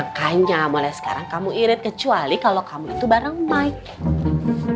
makanya mulai sekarang kamu irit kecuali kalau kamu itu bareng mike